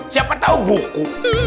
siapa tahu buku